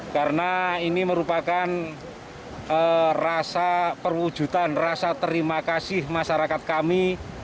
karena ini merupakan rasa perwujudan rasa terima kasih masyarakat kami